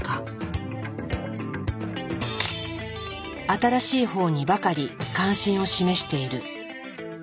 新しい方にばかり関心を示している。